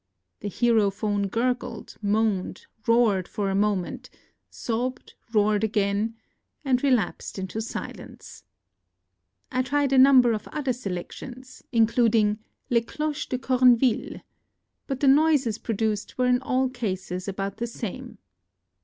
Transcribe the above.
The herophone gurgled, moaned, roared for a moment, sobbed, roared again, and relapsed into silence. I tried a number of other selections, including " Les Cloches de Corneville ;" but the noises pro duced were in all cases about the same.